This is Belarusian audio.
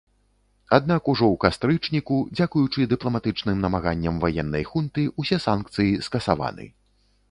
Аднак ужо у кастрычніку, дзякуючы дыпламатычным намаганням ваеннай хунты, усе санкцыі скасаваны.